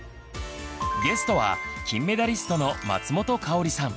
ゲストは金メダリストの松本薫さん。